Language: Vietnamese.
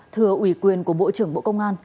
thưa ủy quyền của bộ trưởng bộ công an